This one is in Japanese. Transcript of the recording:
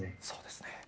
そうですね。